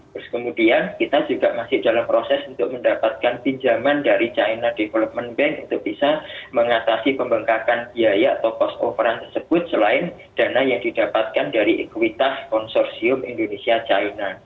terus kemudian kita juga masih dalam proses untuk mendapatkan pinjaman dari china development bank untuk bisa mengatasi pembengkakan biaya atau cost overn tersebut selain dana yang didapatkan dari ekuitas konsorsium indonesia china